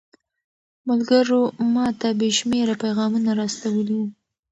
ملګرو ماته بې شمېره پيغامونه را استولي وو.